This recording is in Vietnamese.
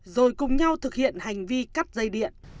rồi cùng nhau thực hiện hành vi cắt dây điện